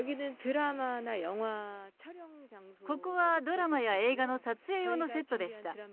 ここはドラマや映画の撮影用のセットでした。